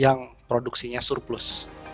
yang produksinya surplus